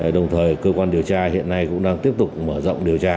đồng thời cơ quan điều tra hiện nay cũng đang tiếp tục mở rộng điều tra